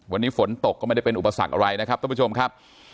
วันนี้ฝนตกก็ไม่ได้เป็นอุปสรรคอะไรนะครับท่านผู้ชมครับ